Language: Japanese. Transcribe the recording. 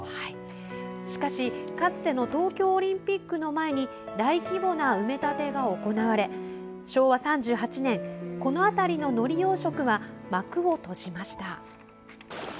しかし、かつての東京オリンピックの前に大規模な埋め立てが行われ昭和３８年この辺りののり養殖は幕を閉じました。